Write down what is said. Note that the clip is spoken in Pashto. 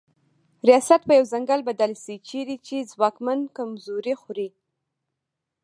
ریاست په یو ځنګل بدل سي چیري چي ځواکمن کمزوري خوري